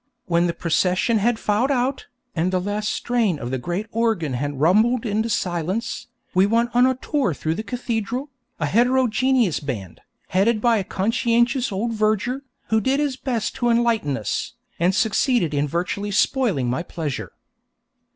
When the procession had filed out, and the last strain of the great organ had rumbled into silence, we went on a tour through the cathedral, a heterogeneous band, headed by a conscientious old verger, who did his best to enlighten us, and succeeded in virtually spoiling my pleasure.